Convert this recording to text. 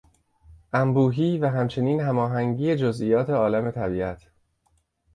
انبوهی و همچنین هماهنگی جزئیات عالم طبیعت